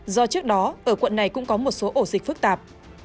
do trước đó ở quận này cũng có một số ổ dịch phức tạp